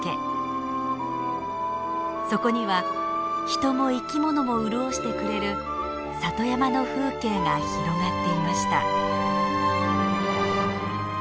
そこには人も生きものも潤してくれる里山の風景が広がっていました。